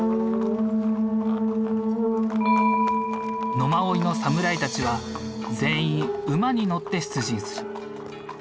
野馬追の侍たちは全員馬に乗って出陣する。